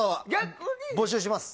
募集します。